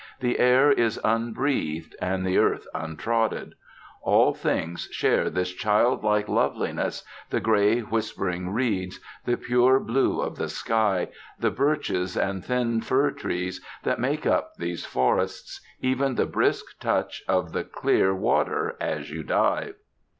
The air is unbreathed, and the earth untrodden. All things share this childlike loveliness, the grey whispering reeds, the pure blue of the sky, the birches and thin fir trees that make up these forests, even the brisk touch of the clear water as you dive.